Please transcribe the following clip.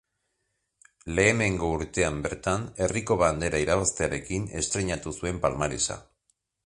Lehenengo urtean bertan herriko bandera irabaztearekin estreinatu zuen palmaresa.